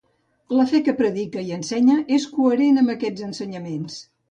La fe que predica i ensenya és coherent amb aquests ensenyaments.